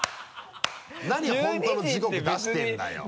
何本当の時刻出してるんだよ！